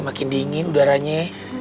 makin dingin udaranya